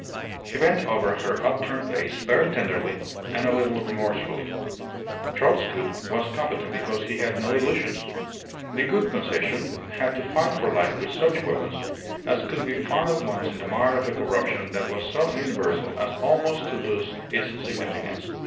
He bent over her upturned face very tenderly and a little remorsefully. Charles Gould was competent because he had no illusions. The Gould Concession had to fight for life with such weapons as could be found at once in the mire of a corruption that was so universal as almost to lose its significance.